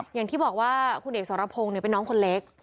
อย่างที่บอกว่าคุณเอกสรพงศ์เป็นน้องคนเล็ก